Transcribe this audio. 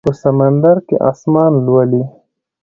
په سمندر کې اسمان لولي